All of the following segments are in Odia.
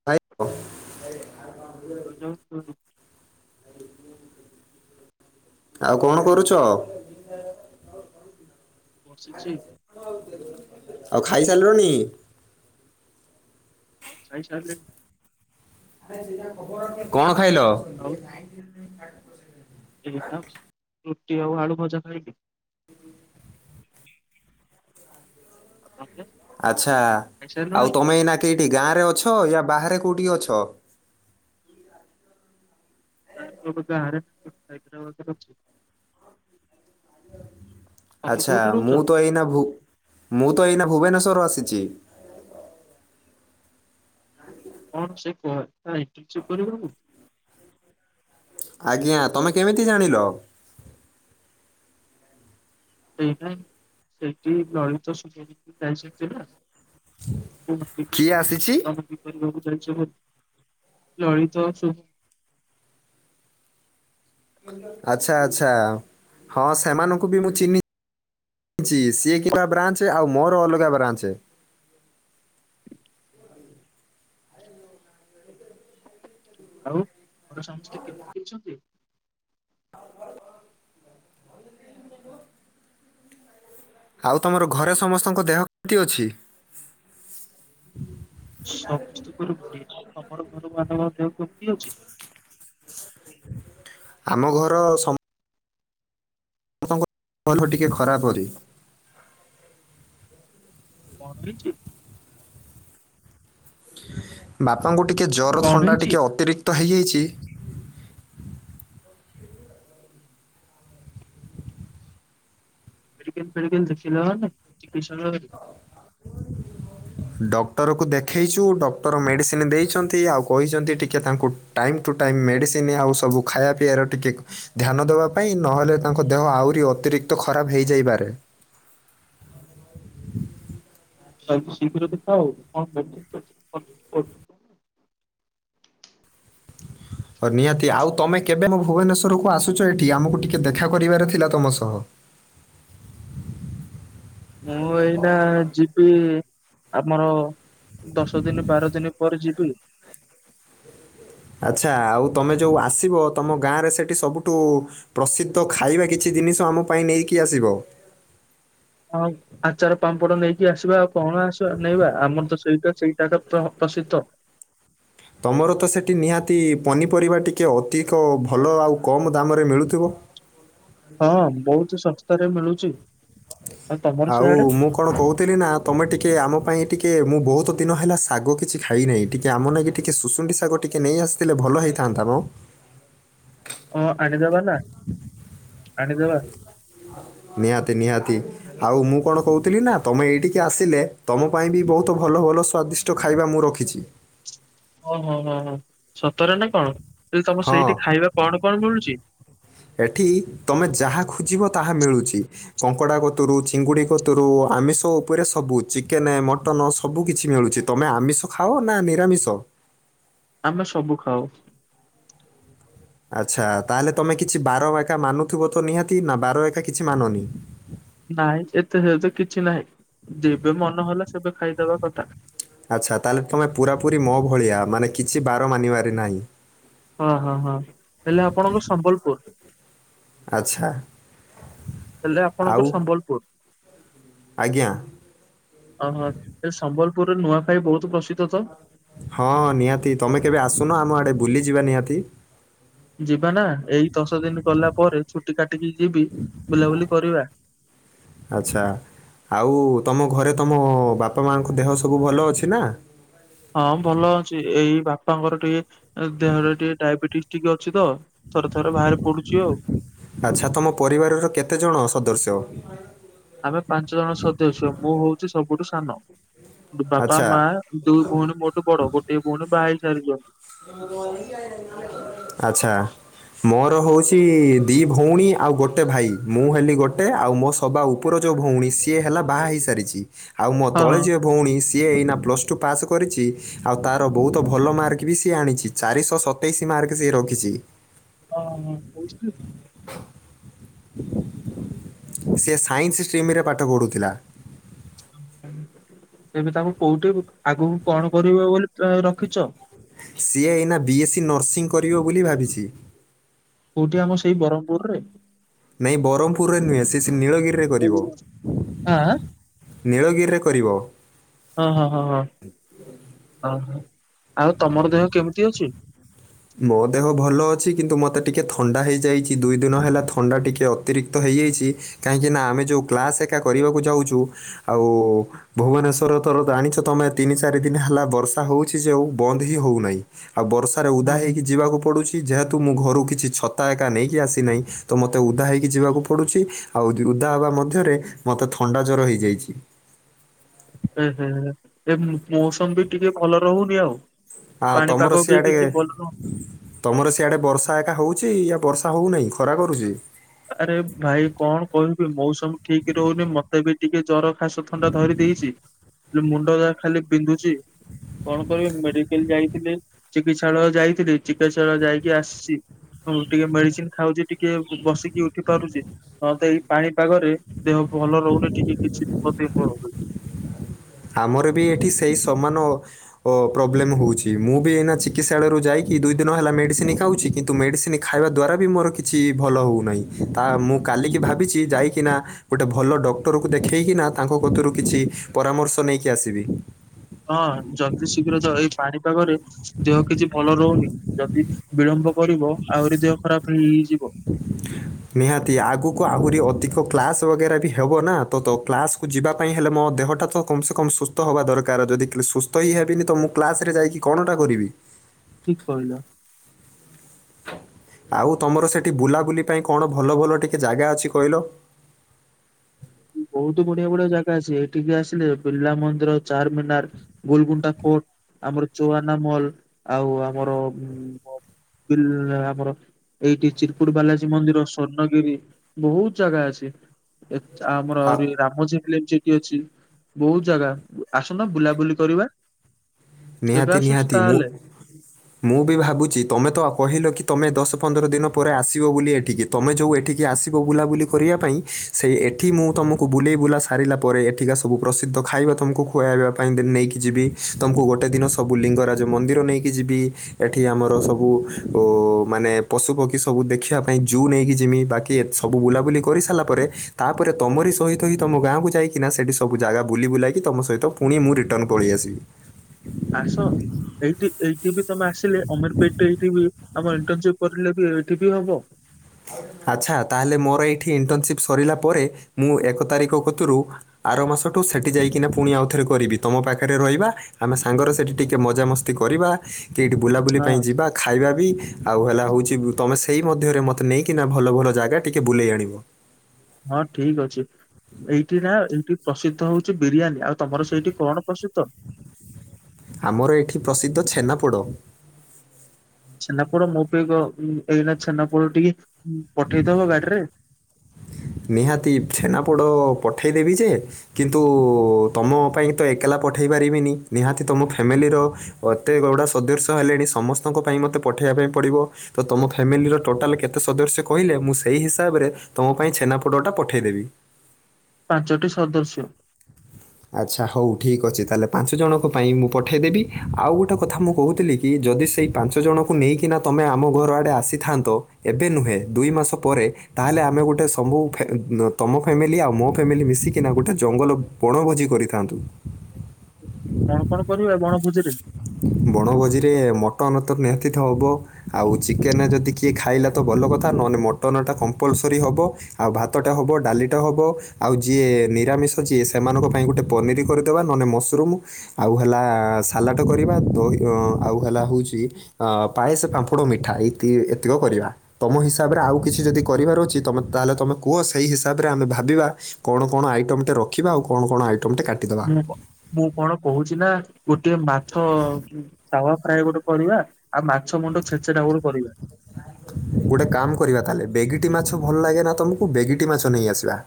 [unintelligible] [unintelligible] ଆଉ କଣ କରୁଛ। [unintelligible] ବସିଛି। ଆଉ ଖାଇସାରିଲଣି। ହଁ ଖାଇସାରିଲିଣି। ଆରେ ଦି ଟା [unintelligible] କଣ ଖାଇଲ। ଆଉ [unintelligible] [unintelligible] ଏଇନା [unintelligible] ରୁଟି ଆଉ ଆଳୁ ଭଜା ଖାଇଲି। ଆଉ ତମେ। ଆଚ୍ଛା ଆଉ ଖାଇସାରିଲଣି? ତମେ ଏଇନା କେଇଠି ଗାଁରେ ଅଛ ୟା ବାହାରେ କୋଉଠି ଅଛ। [unintelligible] ହାଇଦ୍ରାବାଦରେ ଅଛି। ତମେ ଆଚ୍ଛା କୋଉଠି ରହୁଛ? ମୁଁ ତ ଏଇନା ଭୁ ମୁଁ ତ ଏଇନା ଭୁବନେଶ୍ୱର ଆସିଛି। କଣ ସେ [unintelligible] ଚେକ୍ କରିବନି। ଆଜ୍ଞା ତମେ କେମିତି ଜାଣିଲ। ସାଇଟା ହିଁ ସେଇଠି ଲଳିତ ଶୁଭ୍ରଜିତ୍ [unintelligible] କିଏ ଆସିଛି? [unintelligible] କରିବାକୁ ଯାଇଚ [unintelligible] ଲଳିତ ଶୁ ଆଚ୍ଛା ଆଚ୍ଛା ହଁ ସେମାନଙ୍କୁ ବି ମୁଁ ଚିହ୍ନି ଛି ସିଏ [unintelligible] ବ୍ରାଞ୍ଚେ ଆଉ ମୋର ଅଲଗା ବ୍ରାଞ୍ଚେ। ଆଉ ଘରେ ସମସ୍ତେ କେମିତି ଅଛନ୍ତି। [unintelligible] ଆଉ ତମର ଘରେ ହାଲୋ ସମସ୍ତଙ୍କ ଦେହ ମିତି ଅଛି। ସମସ୍ତିଙ୍କର ବଢିଆ ଆଉ ତମର ଘର ମାନଙ୍କ ଦେହ କେମିତି ଅଛି। ଆମ ଘର ସମ୍ [unintelligible] ଟିକେ ଖରା ପରି। କଣ ହେଇଚି। ବାପାଙ୍କୁ ଟିକେ ଜର କଣ ଥଣ୍ଡା ହେଇଛି? ଟିକେ ଅତିରିକ୍ତ ହେଇଯାଇଛି। ମେଡିକାଲ ଫେଡିକାଲ ଦେଖେଇଲ ନା ନାହିଁ ଚିକିସ୍ରଳୟ [unintelligible] ଡକ୍ଟରକୁ ଦେଖେଇଚୁ ଡକ୍ଟର ମେଡିସିନି ଦେଇଛନ୍ତି ଆଉ କହିଛନ୍ତି ଟିକେ ତାଙ୍କୁ ଟାଇମ୍ ଟୁ ଟାଇମ୍ ମେଡିସିନି ଆଉ ସବୁ ଖାଇଆ ପିଇଆର ଟିକେ ଧ୍ୟାନ ଦବା ପାଇଁ ନହେଲେ ତାଙ୍କ ଦେହ ଆହୁରି ଅତିରିକ୍ତ ଖରାବ ହେଇଯାଇପାରେ। ତାଙ୍କୁ ଶୀଘ୍ର ଦେଖାଓ କଣ ମେଡିସିନ୍ ଫେଡିସିନ୍ [inaudible] ଓ ନିହାତି ଆଉ ତମେ କେବେ ମୋ ଭୁବେନେଶ୍ୱରକୁ ଆସୁଛ ଏଠି ଆମକୁ ଟିକେ ଦେଖା କରିବାରେ ଥିଲା ତମ ସହ। ମୁଁ ଏଇନା ଯିବି ଆମର ଦଶ ଦିନି ବାର ଦିନି ପରେ ଯିବି। ଆଚ୍ଛା ଆଉ ତମେ ଯୋଉ ଆସିବ ତମ ଗାଁରେ ସେଠି ସବୁଠୁ ପ୍ରସିଦ୍ଧ ଖାଇବା କିଛି ଜିନିଷ ଆମ ପାଇଁ ନେଇକି ଆସିବ। ହଉ। ଆଚାର ପାମ୍ପଡ ନେଇକି ଆସିବା ଆଉ କଣ ଆସିବା ନେଇବା ଆମର ତ ସେଇଟା ସେଇଟା ତ ପ୍ର ପ୍ରସିଦ୍ଧ। ତମର ତ ସେଟି ନିହାତି ପନିପରିବା ଟିକେ ଅଧିକ ଭଲ ଆଉ କମ୍ ଦାମରେ ମିଳୁଥିବ। ହଁ ବୋହୁତୁ ଶସ୍ତାରେ ମିଳୁଚି। ଆଉ ମୁଁ କଣ କହୁଥିଲି ନା ତମେ ଟିକେ ଆମ ପାଇଁ ଟିକେ ମୁଁ ବୋହୁତ ଦିନ ହେଲା ଶାଗ କିଛି ଖାଇ ନାହିଁ ଟିକେ ଆମ ନାଗି ଟିକେ ସୁଶୁଣ୍ଡି ଶାଗ ଟିକେ ନେଇ ଆସିଥିଲେ ଭଲ ହେଇଥାନ୍ତା ମ। ଅଁ ଆଣିଦେବା ନା ଆଣିଦେବା। ନିହାତି ନିହାତି। ଆଉ ମୁଁ କଣ କହୁଥିଲି ନା ତମେ ଏଇଠିକି ଆସିଲେ ତମ ପାଇଁ ବି ବୋହୁତ ଭଲ ଭଲ ସ୍ଵାଦିଷ୍ ଟ ଖାଇବା ମୁଁ ରଖିଛି। ଓହୋ ହଁ ହଁ ସତରେ ନା କଣ ଇଲ୍ ତମ ହଁ ସେଇଠି ଖାଇବା କଣ କଣ ମିଳୁଚି? ଏଠି ତମେ ଯାହା ଖୋଜିବ ତାହା ମିଳୁଚି। କଙ୍କଡା କତୁରୁ ଚିଙ୍ଗୁଡି କତୁରୁ ଆମିଷ ଉପରେ ସବୁ ଚିକେନେ ମଟନ ସବୁ କିଛି ମିଳୁଛିି। ତମେ ଆମିଷ ଖାଅ ନା ନିରାମିଷ। ଆମେ ସବୁ ଖାଉ। ଆଚ୍ଛା ତାହେଲେ ତମେ କିଛି ବାର ବାଇକା ମାନୁଥୁବ ତ ନିହାତି ନା ବାର ଏକା କିଛି ମାନନି। ନାଇଁ ଏତେ ହେ ଯେ କିଛି ନାହିଁ ଯେବେ ମନ ହେଲା ସେବେ ଖାଇ ଦବା କଥା। ଆଚ୍ଛା ତାହେଲେ ତମେ ପୁରା ପୁରି ମୋ ଭଳିଆ ମାନେ କିଛି ବାର ମାନିବାରେ ନାହିଁ। ହଁ ହଁ ହଁ ହେଲେ ଆପଣଙ୍କ ସମ୍ବଲପୁର। ଆଚ୍ଛା। ହେଲେ ଆଉ ଆପଣଙ୍କର ସମ୍ବଲପୁର। ଆଜ୍ଞା। ଓହୋ ଏ ସମ୍ବଲପୁରରେ ନୂଆଖାଇ ବୋହୁତୁ ପ୍ରସିଦ୍ଧ ତ। ହଁ ନିହାତି ତମେ କେବେ ଆସୁନ ଆମ ଆଡେ ବୁଲିଯିବା ନିହାତି। ଯିବା ନା ଏଇ ଦଶ ଦିନ ଗଲା ପରେ ଛୁଟି କାଟିକି ଯିବି ବୁଲାବୁଲି କରିବା। ଆଚ୍ଛା ଆଉ ତମ ଘରେ ତମ ବାପା ମାଙ୍କ ଦେହ ସବୁ ଭଲ ଅଛି ନା। ହଁ ଭଲ ଅଛି ଏଇ ବାପାଙ୍କର ଟିକେ ଏଁ ଦେହରେ ଟିକେ ଡାଇବେଟିସ୍ ଟିକେ ଅଛି ତ ଥରେ ଥରେ ବାହାରେ ପଡୁଚି ଆଉ। ଆଚ୍ଛା ତମ ପରିବାରର କେତେ ଜଣ ସର୍ଦସ୍ୟ? ଆମେ ପାଞ୍ଚ ଜଣ ସଦସ୍ୟ ମୁଁ ହଉଛି ସବୁଠୁ ସାନ। ବାପା ଆଚ୍ଛା ମା ଦୁଇ ଭଉଣୀ ମୋଠୁ ବଡ ଗୋଟେ ଭଉଣୀ ବାହା ହେଇ ସାରିଛନ୍ତି। ଆଚ୍ଛା। ମୋର ହଉଛି ଦି ଭଉଣୀ ଆଉ ଗୋଟେ ଭାଇ ମୁଁ ହେଲି ଗୋଟେ ଆଉ ମୋ ସ ହବା ଉପର ଯୋଉ ଭଉଣୀ ସିଏ ହେଲା ବାହା ହେଇସାରିଚି। ଆଉ ମୋ ତଳେ ହଁ। ଯିଏ ଭଉଣୀ ସିଏ ଏଇନା ପ୍ଲସ୍ ଟୁ ପାସ କରିଚି ଆଉ ତାର ବୋହୁତ ଭଲ ମାରେ ସି ଆଣି ଚାରିଶହ ସତେଇଶି ମାର୍କ ସିଏ ରଖିଛି। ହଁ ହଁ କହୁିଲୁ। ସେ ସାଇନ୍ସ ଷ୍ଟ୍ରିମ ରେ ପାଠ ପଢୁଥିଲା। ଏବେ ତାଙ୍କୁ କୋଉଠି ଆଗକୁ କଣ କରିବ ବୋଲି ରଖିଛ? ସିଏ ଏଇନା ବି ଏସ୍ ସି ନର୍ସିଂ କରିବ ବୋଲି ଭାବିଛି। କୋଉଠି ଆମ ସେଇ ବ୍ରହ୍ମପୁରରେ। ନାଇଁ ବ୍ରହ୍ମପୁରରେ ନୁହେଁ ସେ ନୀଳଗିରିରେ କରିବ। ଆଁ ନୀଳଗିରିରେ କରିବ? ହଁ ହଁ ହଁ ହଁ ହ ହ ଆଉ ତମର ଦେହ କେମିତି ଅଛି? ମୋ ଦେହ ଭଲ ଅଛି କିନ୍ତୁ ମୋତେ ଟିକିଏ ଥଣ୍ଡା ହେଇଯାଇଛି ଦୁଇ ଦିନ ହେଲା ଥଣ୍ଡା ଟିକିଏ ଅତିରିକ୍ତ ହେଇଯାଇଛି। କାହିଁକି ନା ଆମେ ଯୋଉ କ୍ଲାସ ଏକା କରିବାକୁ ଯାଉଛୁ ଆଉ ଭୁବନେଶ୍ଵର ତର ଜାଣିଛ ତମେ ତିନି ଚାରି ଦିନ ହେଲା ବର୍ଷା ହଉଛି ଯେ ଆଉ ବନ୍ଦ ହିଁ ହଉନାହିଁ। ଆଉ ବର୍ଷାରେ ଉଦା ହେଇକି ଯିବାକୁ ପଡୁଛି। କି ଯେହେତୁ ମୁଁ ଘରୁ କିଛି ଛତା ଏକା ନେଇକି ଆସିନାହିଁ ତ ମତେ ଉଦା ହେଇକି ଯିବାକୁ ପଡୁଛି। ଆଉ ଉଦା ହେବା ମଧ୍ୟରେ ମୋତେ ଥଣ୍ଡା ଜ୍ୱଵର ହେଇଯାଇଛି। ହ ଏ ମୌସମ ବି ଟିକେ ଭଲ ରହୁନି ଆଉ। ଆଁ ତମର ପାଣିପାଗ ବି ସିଆଡେ କିଛି ଭଲ ରହୁନି। ତମର ସିଆଡେ ବର୍ଷା ଏକା ହଉଛି ବର୍ଷା ହଉନାହିଁ ଖରା କରୁଛି? ଆରେ ଭାଇ କଣ କହିବି ମୌସମ୍ ଠିକ ରହୁନି ମତେ ବି ଟିକେ ଜର। ଖାସ ଥଣ୍ଡା ଧରି ଦେଇଛି ହେଲେ ମୁଣ୍ଡ ଯାହା ଖାଲି ବିନ୍ଧୁଛି। କଣ କରିବି ମେଡିକାଲ ଯାଇଥିଲେି ଚିକିତ୍ସାଳୟ ଯାଇଥିଲେ ଚିକିତ୍ସାଳୟ ଯାଇକି ଆସିଛି। ହଁ ଟିକେ ମେଡିସିନ ଖାଉଛି, ଟିକେ ବସିକି ଉଠି ପାରୁଛି ହ ତ ଏଇ ପାଣିପାଗରେ ଦେହ ଭଲ ରହୁନି ଟିକେ କିଛି ବି ମଧ୍ୟ ନୁନି ଆମର ବି ଏଠି ସେଇ ସମାନ ପ ପ୍ରୋବ୍ଲେମ୍ ହେଉଛି ମୁଁ ବି ଏଇନା ଚିକିତ୍ସାଳୟରୁ ଯାଇକି ଦୁଇ ଦିନ ହେଲା ମେଡ଼ିସିନ ଖାଉଛି କିନ୍ତୁ ମେଡିସିନ୍ ଖାଇବା ଦ୍ୱାରା ବି ମୋର କିଛି ଭଲ ହେଉନାହିଁ ତା ମୁଁ କାଲିକି ଭାବିଛି ଯାଇକିନା ଗୋଟେ ଭଲ ଡକ୍ଟରକୁ ଦେଖେଇକିନା ତାଙ୍କ କରୁ କିଛି ପରାମର୍ଶ ତ ନେଇକି ଆସିବି। ହଁ ଜଲଦି ଶୀଘ୍ର ତ ଏଇ ପାଣିପାଗରେ ଦେହ କିଛି ଭଲ ରହୁନି, ଯଦି ବିଳମ୍ବ କରିବ ଆହୁରି ଦେହ ଖରାପ ହେଇଯିବ। ନିହାତି ଆଗକୁ ଆହୁରି ଅଧିକ କ୍ଲାସ ବଗେରା ବି ହବ ନା ତ କ୍ଲାସ। କୁ ଯିବା ପାଇଁ ହେଲେ ମୋ ଦେହଟା ତ କମ ସେେ କମ୍ ସୁସ୍ଥ ହେବା ଦରକାର ଯଦି ସୁସ୍ଥ ହ ହେବିନି ତ ମୁଁ କ୍ଲାସ୍ରେ ଯାଇକି କଣଟା କରିବି? ଠିକ କିଲ। ଆଉ ତମର ସେଠି ବୁଲାବୁଲି ପାଇଁ କଣ ଭଲ ଭଲ ଟିକେ ଜାଗା ଅଛି କହିଲ? ବହୁତ ବଢିଆ ବଢିଆ ଜାଗା ଅଛି ଏଠିକି ଆସିଲେ ବିଲ ମନ୍ଦିର ଚାରମିନାର ଗୋଲଗୁଣ୍ଡା କୋର୍ଟ ଆମର ଚୁଆନା ମଲ, ଆଉ ଆମର [unintelligible] ଏଇଠି ଚିରପଟ ବାଲାଜୀ ମନ୍ଦିର ସ୍ୱର୍ଣ୍ଣଗିରି ବୋହୁତ ଜାଗା ଅଛି। ଏ- ଆମର ଆଉ ଆହୁରି ରାମଝଠି ଅଛି ବହୁତ ଜାଗା ଆସୁନ ବୁଲାବୁଲି କରିବା। କେବେ ନିହାତି ଆସୁଛୁ ନିହାତି ମୁଁ ତାହେଲେ ମୁଁ ବି ଭାବୁଛି ତମେ ତଉ କହିଲ କି ତମେ ଦଶ ପନ୍ଦର ଦିନ ପରେ ଆସିବ ବୋଲି ଏଠିକି। ତୁମେ ଯେଉଁ ଏଠିକି ଆସିବ ବୁଲାବୁଲି କରିବା ପାଇଁ ସେଇ ଏଠି ମୁଁ ତୁମକୁ ବୁଲେଇ ବୁଲା ସାରିଲା ପରେ ଏଠିକା ସବୁ ପ୍ରସିଦ୍ଧ ଖାଇବା ତୁମକୁ ଖୁଆଇବା ପାଇଁ ନେଇକି ଯିବି ତୁମକୁ ଗୋଟେ ଗୋଟେ ଦିନ ସବୁ ଲିଙ୍ଗରାଜ ମନ୍ଦିର ନେଇକି ଯିବି ଏଠି ଆମର ସବୁ ଉଁ ମାନେ ପଶୁ ପକ୍ଷୀ ସବୁ ଦେଖିବା ପାଇଁ ଜୁନ୍ ନେଇକି ଯେମିତି ବାକି କିଏ ସବୁ ବୁଲାବୁଲି କରିସାରିଲା ପରେ ତାପରେ ତମରି ସହିତହି ତମ ଗାଁକୁ ଯାଇକିନା ସେଠି ସବୁ ଜାଗା ବୁଲି ବୁଲାକି ତମ ସହିତ ପୁଣି ମୁଁ ରିଟର୍ନ ପଳେଇ ଆସିବି। ଆସ। ଏଇଠି ଏଇଠିବି ତମେ ଆସିଲେ ଅମର ପେଟେଇ ଏଇଠିବି ଆମର ଇଣ୍ଟସିପ କରିଲେବି ଏଇଠିବି ହବ। ଆଚ୍ଛା ତାହେଲେ ମୋର ଏଇଠି ଇଣ୍ଟର୍ନସିପ୍ ସରିଲା ପରେ ମୁଁ ଏକ ତାରିଖ କତୁରୁ ଆର ମାସଠୁ ସେଠି ଯାଇକିନା ପୁଣି ଆଉଥରେ କରିବି ତମ ପାଖରେ ରହିବା ଆମେ ସାଙ୍ଗରେ ସେଠି ଟିକେ ମଜାମସ୍ତି କରିବା ତିଏଇଠି ବୁଲାବୁଲି ହଁ ପାଇଁ ଯିବା ଖାଇବାବି ଆଉ ହେଲା ହେଉଚି ତୁମେ ସେଇ ମଧ୍ୟରେ ମୋ ନେଇକିନା ଭଲ ଭଲ ଜାଗା ଟିକେ ବୁଲେଇ ଆଣିବ। ହଁ ଠିକି ଅଛି। ଏଇଠିନା ଏଇଠି ପ୍ରସିଦ୍ଧ ହଉଚି ବିରିୟାନୀ ଆଉ ତମର ସେଇଠି କଣ ପ୍ରସିଦ୍ଧ? ଆମର ଏଠି ପ୍ରସିଦ୍ଧ ଛେନାପୋଡ଼। ଛେନାପୋଡ଼ ମୋ ପାଇଁ ଗ ଉଁ ଏଇନା ଛେନାପୋଡ଼ ଟିକେ ପଠେଇଦବ ଗାଡ଼ିରେ। ନିହାତି ଛେନାପୋଡ଼ ପଠେଇଦେବି ଯେ କିନ୍ତୁ ତମ ପାଇଁତ ଏକଲା ପଠେଇ ପାରିବିନି ନିହାତି ତମ ଫ୍ୟାମିଲିର ଏତେ ଗଡ଼ା ସଦୃଶ ହେଲେଣି ସମସ୍ତଙ୍କ ପାଇଁ ମତେ ପଠେଇବା ପାଇଁ ପଡ଼ିବ ତତମ ଫ୍ୟାମିଲିର ଟୋଟାଲେ କେତେ ସଦସ୍ୟ କହିଲେ ମୁଁ ସେଇ ହିସାବରେ ତମ ପାଇଁ ଛେନାପୋଡ଼ଟା ପଠେଇଦେବି। ପାଞ୍ଚଟି ସଦସ୍ୟ। ଆଚ୍ଛା ହଉ ଠିକ୍ ଅଛି ତାହେଲେ ପାଞ୍ଚ ଜଣଙ୍କ ପାଇଁ ମୁଁ ପଠାଇଦେବି ଆଉ ଗୋଟେ କଥା ମୁଁ କହୁଥିଲିକି ଯଦି ସେଇ ପାଞ୍ଚ ଜଣଙ୍କୁ ନେଇକିନା ତମେ ଆମ ଘର ଆଡ଼େ ଆସିଥାନ୍ତ ଏବେ ନୁହେଁ ଦୁଇ ମାସ ପରେ ତାହେଲେ ଆମେ ଗୋଟେ ସବୁ ଫେ ତମ ଫ୍ୟାମିଲି ଆଉ ମୋ ଫ୍ୟାମିଲି ମିଶିକିନା ଗୋଟେ ଜଙ୍ଗଲ ବଣଭୋଜି କରିଥାନ୍ତୁ। କଣ କଣ କରିବେ ବଣଭୋଜିରେ? ବଣଭୋଜିରେ ମଟନତ ନିହାତିତ ହବ ଆଉ ଚିକେନ୍ ଯଦି କିଏ ଖାଇଲାତ ଭଲ କଥା ନହେଲେ ମଟନ୍ଟା କମ୍ପଲସରି ହବ। ଆଉ ଭାତଟେ ହବ ଡ଼ାଲିଟେ ହବ ଆଉ ଯିଏ ନିରାମିଷ ଯିଏ ସେମାନଙ୍କ ପାଇଁ ଗୋଟେ ପନିରି କରିଦବା ନହେନେ ମସ୍ରୁର୍ମ ଆଉ ହେଲା ସାଲା ଟ କରିବା ଦ ଅଁ ଆଉ ହେଲା ହେଉଚି ଅ ପାଏସେ ପାମ୍ପୁଡ ମିଠା ଏଇ ଏତିକି କରିବା। ତମ ହିସାବରେ ଆଉ କିଛି ଯଦି କରିବାର ଅଛି ତମେ ତାହେଲେ ତୁମେ କୁହ ସେଇ ହିସାବରେ ଆମେ ଭାବିବା କଣ କଣ ଆଇଟମଟେ ରଖିବା ଆଉ କଣ କଣ ଆଇଟମଟେ କା ମୁଁ ମୁଁ କଣ କହୁଛିନା ଗୋଟେଏ ମାଛ ଉଁ ତାୱା ଫ୍ରାଏ ଗୋଟେ କରିବା ଆଉ ମାଛ ମୁଣ୍ଡ ଛେଚେଡ଼ା ଗୋଟେ କରିବା। ଗୋଟେ କାମ୍ କରିବା ତାହେଲେ ବେଗିଟି ମାଛ ଭଲ ଲାଗେନା ତମକୁ ବେଗିଟି ମାଛ ନେଇ ଆସିବା।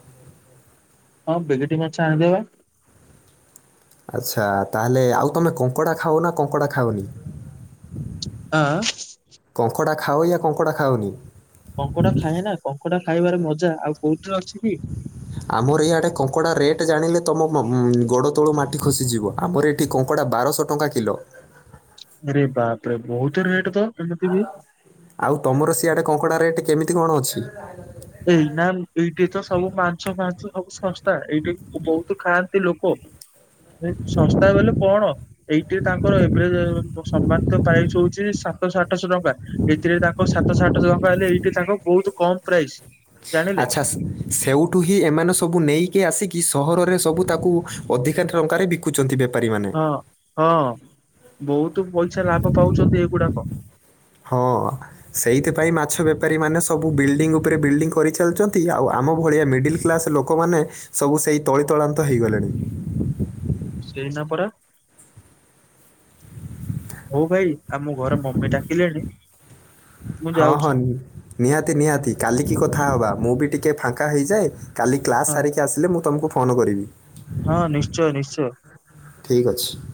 ହଁ ବେଗିଟି ମାଛ ଆଣିଦବା। ଆଚ୍ଛା ତାହେଲେ ଆଉ ତମେ କଙ୍କଡ଼ା ଖାଅନା କଙ୍କଡ଼ା ଖାଅନି? ଆଁ। କଙ୍କଡ଼ା ଖାଅ ୟ କଙ୍କଡ଼ା ଖାଅନି? କଙ୍କଡା ଖାଏନା କଙ୍କଡ଼ା ଖାଇବାରେ ମଜା ଆଉ କୋଉଠିରେ ଅଛିକି। ଆମର ଏଇଆଡ଼େ କଙ୍କଡ଼ା ରେଟ୍ ଜାଣିଲେ ତମ ଉଁ ଗୋଡ଼ ତଳୁ ମାଟି ଖସିଯିବ ଆମର ଏଠି କଙ୍କଡ଼ା ବାରଶହ ଟଙ୍କା କିଲୋ। ରେ ବାପରେ ବହୁତ୍ ରେଟେତ। ଆଉ ତମର ସିଆଡେ କଙ୍କଡା ରେଟ୍ କେମିତି କଣ ଅଛି? ଏଇନା ଏଇଠି ତ ସବୁ ମାଂସ ଫାଂସ ସବୁ ଶସ୍ତା ଏଇଠି ବହୁତ ଖାଆନ୍ତି ଲୋକ। ଏ ସଂସ୍ଥା ବୋଇଲେ କଣ? ଏଇଠି ତାଙ୍କର ଏଭଜ ସମ୍ମାନ ପ୍ରାଇସ ହଉଚି ସାତଶହ ଆଠଶହ ଟଙ୍କା। ଏଥିରେ ତାଙ୍କ ସାତଶ ଆଠଶ ଟଙ୍କା ହେଲେ ଏଇଠି ତାଙ୍କ ବହୁତ କମ ପ୍ରାଇସ୍। ଜାଣିଲେ ଆଚ୍ଛା ସ ସେଇଠୁ ହିଁ ଏମାନେ ସବୁ ନେଇକି ଆସିକି ସହରରେ ସବୁ ତାକୁ ଅଧିକା ଟଙ୍କାରେ ବିକ କୁଚନ୍ତି ବେପାରୀ ମାନେ। ହଁ ହଁ ବହୁତ ପଇସା ଲାଭ ପାଉଚନ୍ତି ଏଗୁଡାକ। ହଁ। ସେଇଥିପାଇଁ ମାଛ ବେପାରୀ ମାନେ ସବୁ ବିଲଡିଂ ଉପରେ ବିଲଡିଂ କରିଚାଲିଚନ୍ତି। ଆଉ ଆମ ଭଳିଆ ମିଡିଲ କ୍ଲାସ ଲୋକ କମାନେ ସବୁ ସେଇ ତଳି ତଳାନ୍ତ ହେଇଗଲେଣି। ସେଇନା ପରା। ହଉ ଭାଇ ଆମ ଘର ମମି ଡାକିଲେଣି ମୁଁ ହଁ ହଁ, ଯାଉଚି। ନିହାତି ନିହାତି କାଲିକି କଥାହବା ମୁଁ ବି ଟିକେ ଫାଙ୍କା ହେଇଯାଏ କାଲି କ୍ଲାସ୍ ହଁ ସାରି କି ଆସିଲେ ମୁଁ ତୁମକୁ ଫୋନ କରିବି। ହଁ ନିଶ୍ଚୟ ନିଶ୍ଚୟ। ଠିକ୍ ଅଛି।